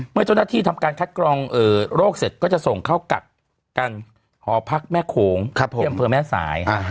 เมื่อเจ้าหน้าที่ทำการคัดกรองโรคเสร็จก็จะส่งเข้ากักกันหอพักแม่โขงที่อำเภอแม่สาย